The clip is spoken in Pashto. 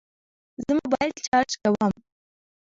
زه موبایل چارج کوم